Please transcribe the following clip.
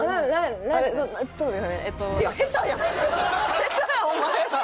下手やんお前ら！